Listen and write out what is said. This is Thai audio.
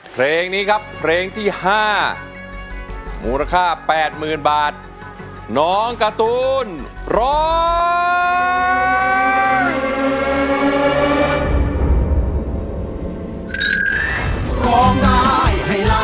เพลงนี้ครับเพลงที่๕มูลค่า๘๐๐๐บาทน้องการ์ตูนร้อง